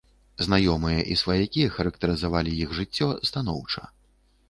Знаёмыя і сваякі характарызавалі іх жыццё станоўча.